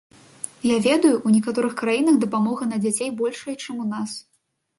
Я ведаю, ў некаторых краінах дапамога на дзяцей большая, чым ў нас.